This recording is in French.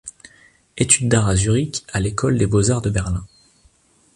Études d'art à Zurich à l'école des beaux-arts de Berlin.